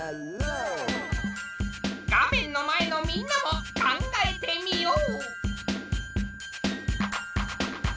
画面の前のみんなも考えてみよう！